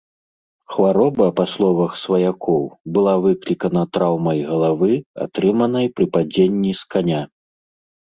Хвароба, па словах сваякоў, была выклікана траўмай галавы, атрыманай пры падзенні з каня.